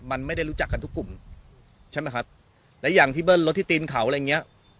มันไม่ได้รู้จักกันทุกกลุ่มใช่ไหมครับและอย่างที่เบิ้ลรถที่ตีนเขาอะไรอย่างเงี้ย